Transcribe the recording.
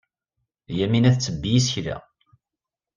Yamina tettebbi isekla.